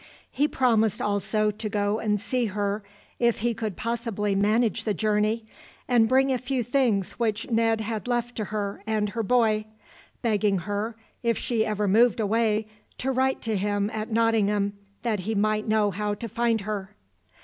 He promised also to go and see her if he could possibly manage the journey, and bring a few things which Ned had left to her and her boy, begging her, if she ever moved away, to write to him at Nottingham, that he might know how to find her.